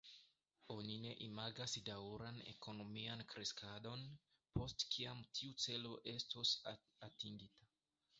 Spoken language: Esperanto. Oni ne imagas daŭran ekonomian kreskadon, post kiam tiu celo estos atingita.